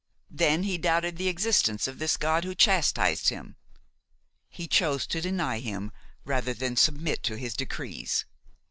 Then he doubted the existence of this God who chastised him; he chose to deny Him rather than submit to His decrees.